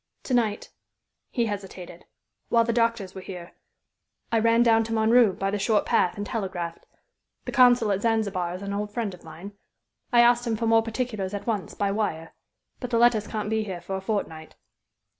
"To night" he hesitated "while the doctors were here, I ran down to Montreux by the short path and telegraphed. The consul at Zanzibar is an old friend of mine. I asked him for more particulars at once, by wire. But the letters can't be here for a fortnight."